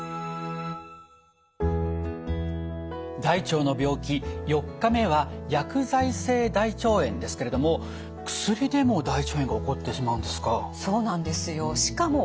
大腸の病気４日目は薬剤性大腸炎ですけれども薬でも大腸炎が起こってしまうんですか。